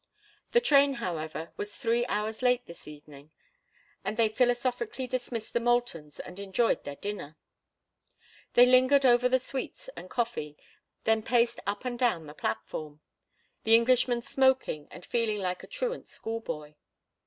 The train, however, was three hours late this evening, and they philosophically dismissed the Moultons and enjoyed their dinner. They lingered over the sweets and coffee, then paced up and down the platform, the Englishman smoking and feeling like a truant schoolboy.